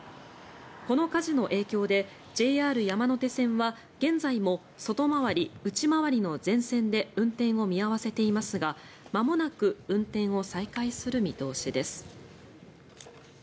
この火事の影響でＪＲ山手線は現在も外回り・内回りの全線で運転を見合わせていますがまもなく運転を再開する見通しです。